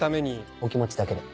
お気持ちだけで。